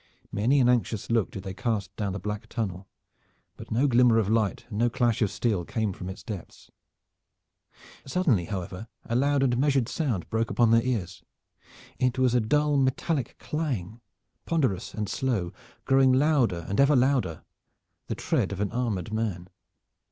Many an anxious look did they cast down the black tunnel, but no glimmer of light and no clash of steel came from its depths. Suddenly, however, a loud and measured sound broke upon their ears. It was a dull metallic clang, ponderous and slow, growing louder and ever louder the tread of an armored man.